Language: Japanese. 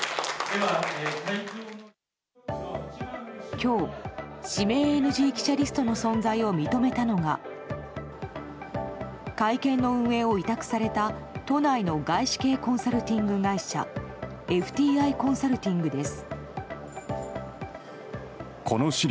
今日、指名ＮＧ記者リストの存在を認めたのが会見の運営を委託された都内の外資系コンサルティング会社ＦＴＩコンサルティングです。